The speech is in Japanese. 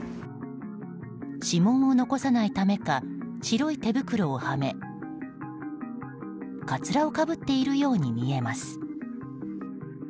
指紋を残さないためか白い手袋をはめかつらをかぶっているように見えます。